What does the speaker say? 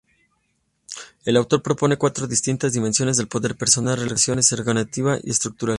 El autor propone cuatros distintas dimensiones del poder: personal, relacional, organizativa y estructural.